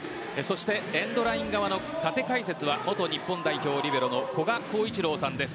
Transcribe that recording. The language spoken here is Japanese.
エンドライン側の縦解説は元日本代表リベロの古賀幸一郎さんです。